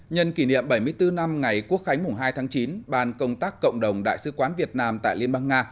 nhân kỷ niệm bảy mươi bốn năm ngày quốc khánh mùng hai tháng chín ban công tác cộng đồng đại sứ quán việt nam tại liên bang nga